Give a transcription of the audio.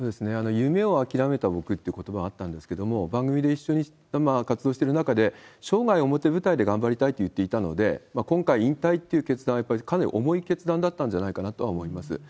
夢を諦めた僕っていうことばあったんですけれども、番組で一緒に活動してる中で、生涯、表舞台で頑張りたいって言っていたので、今回、引退という決断は、やっぱりかなり重い決断だったんじゃないかなとは思います。